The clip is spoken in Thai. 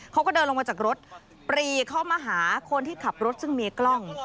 เขาก็เดินลงมาจากรถปรีเข้ามาหาคนที่ขับรถซึ่งมีกล้อง